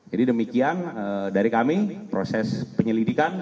jadi demikian dari kami proses penyelidikan